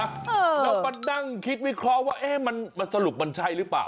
แล้วมานั่งคิดวิเคราะห์ว่ามันสรุปมันใช่หรือเปล่า